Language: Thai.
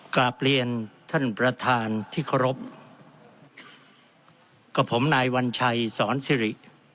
กลับเรียนท่านประธานที่เคารพกับผมนายวัญชัยสอนสิริ